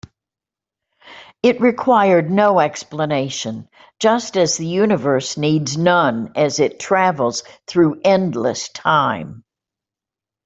It required no explanation, just as the universe needs none as it travels through endless time.